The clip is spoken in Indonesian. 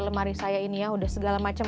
lemari saya ini ya udah segala macam